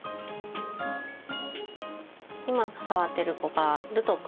今触ってる子がるとく